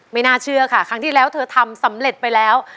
ไม่น่าเชื่อค่ะครั้งที่แล้วเธอทำสำเร็จไปแล้ว